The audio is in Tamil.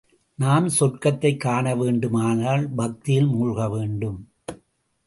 நாம் சொர்க்கத்தைக் காணவேண்டுமானால், பக்தியில் மூழ்க வேண்டும்.